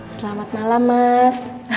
selamat malam mas